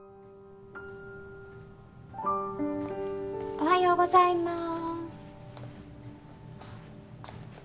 おはようございまーす。